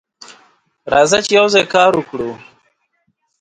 راځه چې یوځای کار وکړو.